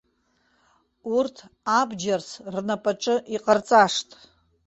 Урҭ абџьарс рнапаҿы иҟарҵашт.